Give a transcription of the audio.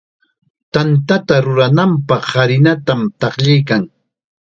Tantata rurananpaq harinata taqllaykan.